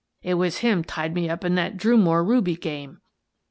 It was him tied me up in that Drumore ruby game."